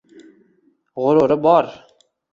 Ғурури бор –